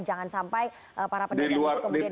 jangan sampai para pedagang itu kemudian